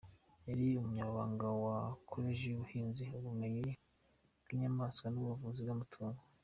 Yari Umunyamabanga wa Koleji y’ubuhinzi, ubumenyi bw’inyamaswa n’ubuvuzi bw’amatungo.